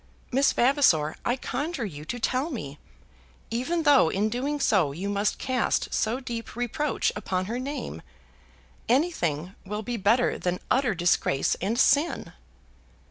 Miss Vavasor, I conjure you to tell me, even though in doing so you must cast so deep reproach upon her name! Anything will be better than utter disgrace and sin!"